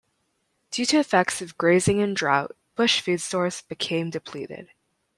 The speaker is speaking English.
Due to the effects of grazing and drought, bush food stores became depleted.